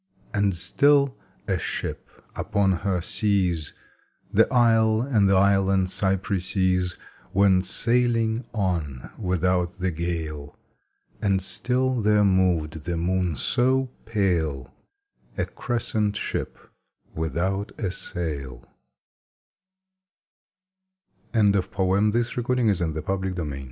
And still, a ship upon her seas. The isle and the island cypresses Went sailing on without the gale : And still there moved the moon so pale, A crescent ship without a sail ' I7S Oak and Olive \ Though I was born a London